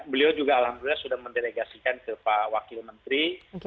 beliau juga alhamdulillah sudah mendelegasikan ke pak wakil menteri